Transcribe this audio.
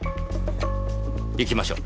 行きましょ。